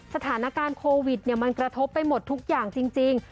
สถานการณ์โควิดมันกระทบไปหมดทุกอย่างจริง